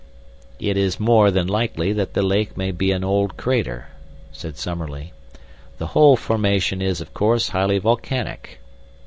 "It is more than likely that the lake may be an old crater," said Summerlee. "The whole formation is, of course, highly volcanic.